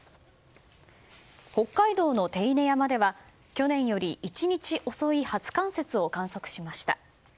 北海道の手稲山では去年より１日遅い初冠雪を観測しました。